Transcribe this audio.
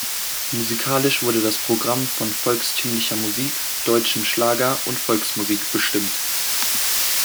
Musikalisch wurde das Programm von volkstümlicher Musik, deutschem Schlager und Volksmusik bestimmt.